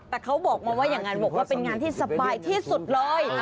แต่เขาบอกมาว่าอย่างนั้นบอกว่าเป็นงานที่สบายที่สุดเลย